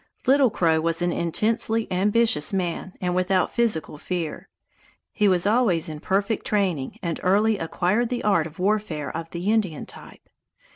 Little Crow was an intensely ambitious man and without physical fear. He was always in perfect training and early acquired the art of warfare of the Indian type.